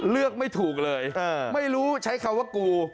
เลือกไม่ถูกเลยไม่รู้ใช้คำว่ากู